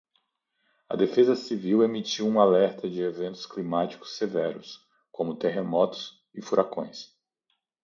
A defesa civil emitiu um alerta de eventos climáticos severos, como terremotos e furacões